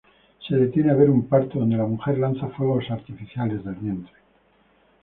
Se detiene a ver un parto, donde la mujer lanza fuegos artificiales del vientre.